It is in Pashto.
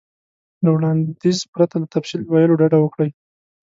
له وړاندیز پرته له تفصیل ویلو ډډه وکړئ.